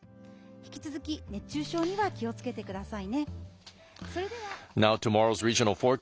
引き続き、熱中症には気をつけてくださいね。